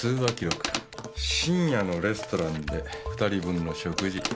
深夜のレストランで２人分の食事。